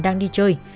đang đi chơi